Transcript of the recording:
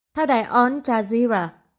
theo đài on chazira